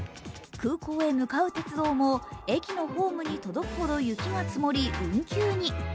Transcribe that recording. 空港へ向かう鉄道も駅のホームに届くほど雪が積もり運休に。